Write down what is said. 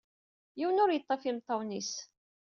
Yiwen ur yeṭṭif imeṭṭawen-is